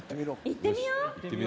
行ってみろう。